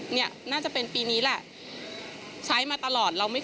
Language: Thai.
เนี่ยน่าจะเป็นปีนี้แหละ